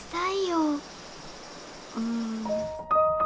うん。